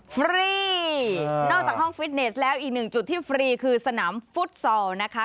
ฟรีนอกจากห้องฟิตเนสแล้วอีกหนึ่งจุดที่ฟรีคือสนามฟุตซอลนะคะ